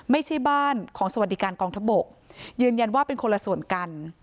ไม่ใช่บ้านของสวัสดิการกองทัพบกยืนยันว่าเป็นคนละส่วนกัน